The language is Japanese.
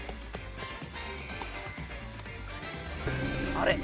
あれ？